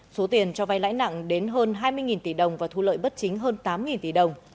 số tiền cho vay lãi nặng đến hơn hai mươi tỷ đồng và thu lợi bất chính hơn tám tỷ đồng